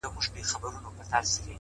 نیک چلند تل بېرته راګرځي؛